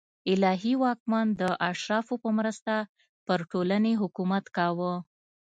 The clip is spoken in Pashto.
الهي واکمن د اشرافو په مرسته پر ټولنې حکومت کاوه